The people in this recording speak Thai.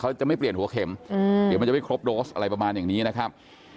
จะไม่เปลี่ยนหัวเข็มเดี๋ยวมันจะไม่ครบโดสอะไรประมาณอย่างนี้นะครับ